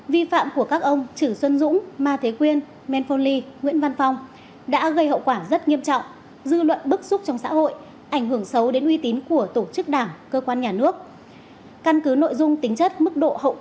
vi phạm của các ông chử xuân dũng ma thế quyên menphone lee nguyễn văn phong đã gây hậu quả rất nghiêm trọng dư luận bức xúc trong xã hội ảnh hưởng xấu đến uy tín của tổ chức đảng cơ quan nhà nước